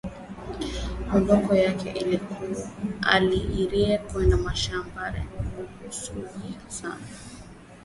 Muloko yangu arienda ku mashamba busubuyi sana